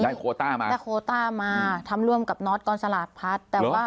ได้โควต้ามาได้โควต้ามาทำร่วมกับน็อตกรณ์สลากพลัส